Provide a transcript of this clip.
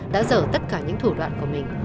đã dở tất cả những thủ đoạn của mình